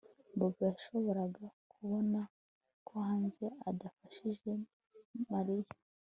Bobo yashoboraga kubona ko hanze adafashijwe na Mariya